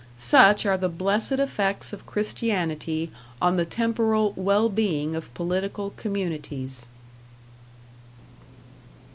Such are the blessed effects of Christianity on the temporal well being of political communities.